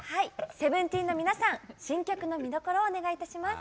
ＳＥＶＥＮＴＥＥＮの皆さん新曲の見どころをお願いいたします。